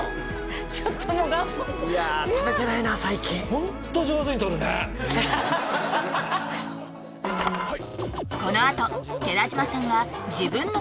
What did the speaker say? ちょっともういや食べてないな最近ホント上手に撮るね暑い！